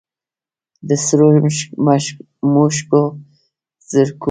د سرو مشوکو زرکو